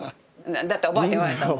だっておばあちゃんに言われたもん。